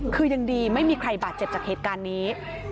คือยังดีไม่มีใครบาดเจ็บจากเหตุการณ์นี้